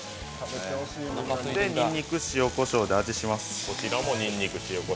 にんにく、塩こしょうで味付けします。